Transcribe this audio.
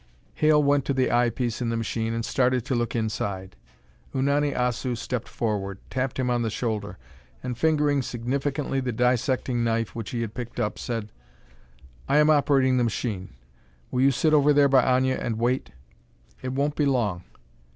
Hale went to the eye piece in the machine and started to look inside. Unani Assu stepped forward, tapped him on the shoulder, and, fingering significantly the dissecting knife which he had picked up, said: "I am operating the machine. Will you sit over there by Aña and wait? It won't be long.